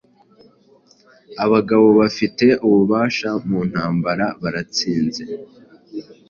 Abagabo bafite ububasha mu ntambara baratsinze